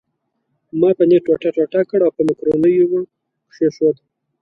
ما پنیر ټوټه ټوټه کړ او په مکرونیو مې کښېښود.